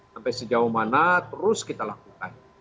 sampai sejauh mana terus kita lakukan